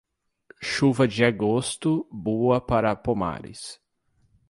Chuva de agosto, boa para pomares.